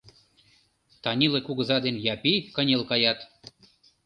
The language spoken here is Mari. Танила кугыза ден Япи кынел каят.